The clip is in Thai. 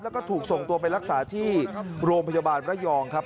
แล้วก็ถูกส่งตัวไปรักษาที่โรงพยาบาลระยองครับ